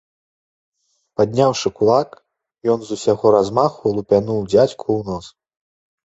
Падняўшы кулак, ён з усяго размаху лупянуў дзядзьку ў нос.